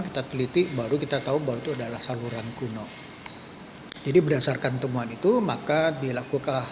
kita teliti baru kita tahu bahwa itu adalah saluran kuno jadi berdasarkan temuan itu maka dilakukan